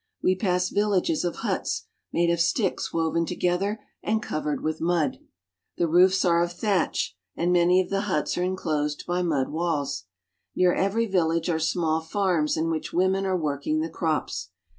We pass villages of huts, made of sticks woven together and covered with mud. The roofs are of thatch, and lany of the huts are inclosed by mud walls. Near every llage are small farms in which women are working the Crops.